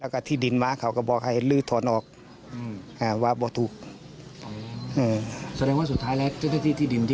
เคยเอาปืนไปข่มขู่่ไหมคะ